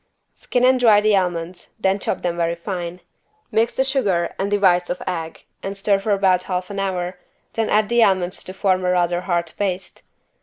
Skin and dry the almonds, then chop them very fine. Mix the sugar and the whites of egg and stir for about half an hour, then add the almonds to form a rather hard paste.